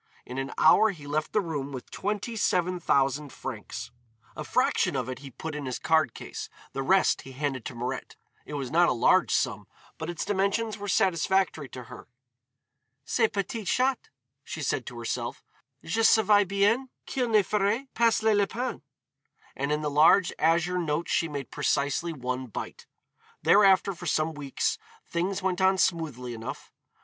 In an hour he left the room with twenty seven thousand francs. A fraction of it he put in his card case, the rest he handed to Mirette. It was not a large sum, but its dimensions were satisfactory to her. "Ce p'tit chat," she said to herself, "je savais bien qu'il ne ferait pas le lapin." And of the large azure notes she made precisely one bite. Thereafter for some weeks things went on smoothly enough.